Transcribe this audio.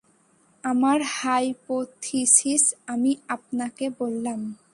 আমার হাইপোথিসিস আমি আপনাকে বললাম।